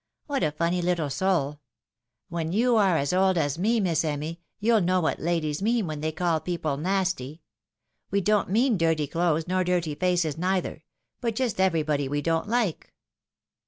What a funny little soul ! When you are as old as me, Miss Emmy, you'll know what ladies mean, when they call people nasty. We don't mean dirty clothes, nor dirty faces neither ; but just everybody we don't Kke."